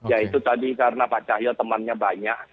ya itu tadi karena pak cahyo temannya banyak